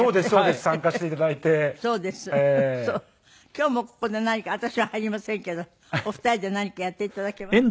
今日もここで何か私は入りませんけどお二人で何かやっていただけます？